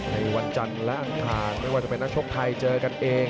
ในวันจันทร์และอังคารไม่ว่าจะเป็นนักชกไทยเจอกันเอง